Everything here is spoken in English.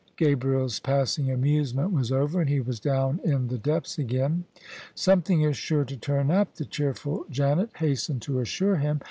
Gabriel's passing amusement was over, and he was down in the depths again. " Something is sure to turn up," the cheerful Janet hastened to assure him.